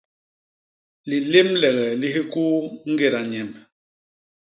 Lilémlege li hikuu ñgéda nyemb.